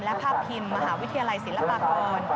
และภาพพิมพ์มหาวิทยาลัยศิลปากร